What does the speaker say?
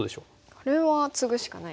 これはツグしかないですね。